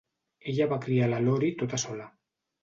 Ella va criar la Laurie tota sola.